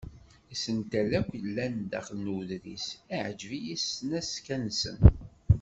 Isental akk yellan daxel n uḍris ɛejven-iyi s tesnakta-nsen.